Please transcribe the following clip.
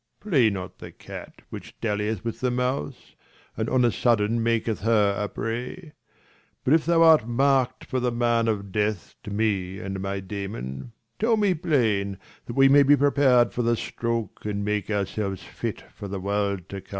Play not the cat, which dallieth with the mouse ; And on a sudden maketh her a prey : But if thou art mark'd for the man of death To me and to my Damon, tell me plain, 1 20 That we may be prepared for the stroke, And make ourselves fit for the world to come.